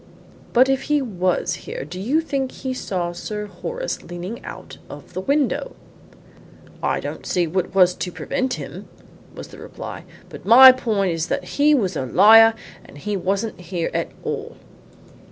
"But if he was here, do you think he saw Sir Horace leaning out of the window?" "I don't see what was to prevent him," was the reply. "But my point is that he was a liar and that he wasn't here at all."